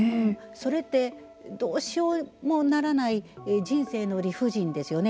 それってどうしようもならない人生の理不尽ですよね。